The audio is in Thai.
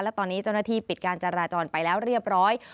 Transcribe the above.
และตอนนี้เจ้าหน้าที่ปิดการจราจรไปแล้วเรียบร้อย